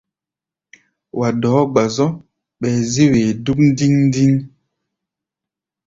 Wa dɔɔ́ gba-zɔ̧́, ɓɛɛ zí-wee dúk ndíŋ-ndíŋ.